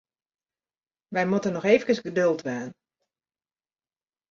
Wy moatte noch eefkes geduld dwaan.